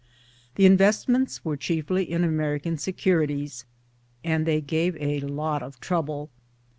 The invest ments were chiefly in American securities and they gave a lot of trouble